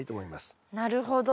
なるほど。